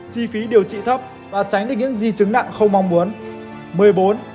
chi phí điều trị thấp và tránh được những di chứng nặng không mong muốn